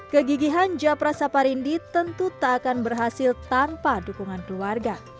kegigihan japra saparindi tentu tak akan berhasil tanpa dukungan keluarga